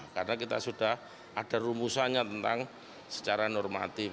karena kita sudah ada rumusannya tentang secara normatif